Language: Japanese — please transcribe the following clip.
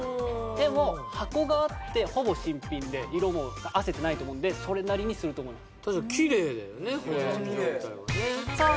でも箱があってほぼ新品で色もあせてないと思うんでそれなりにすると思いますさあ